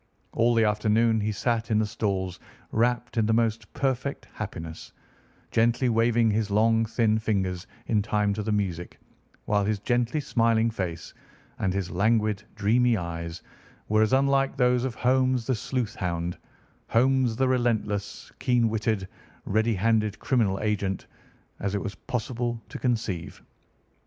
All the afternoon he sat in the stalls wrapped in the most perfect happiness, gently waving his long, thin fingers in time to the music, while his gently smiling face and his languid, dreamy eyes were as unlike those of Holmes the sleuth hound, Holmes the relentless, keen witted, ready handed criminal agent, as it was possible to conceive.